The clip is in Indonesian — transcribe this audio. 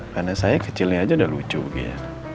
karena saya kecilnya aja udah lucu gitu ya